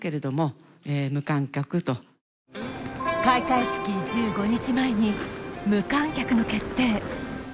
開会式１５日前に無観客の決定